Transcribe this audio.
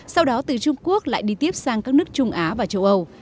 sau đó từ trung quốc lại đi tiếp sang các nước trung á và châu âu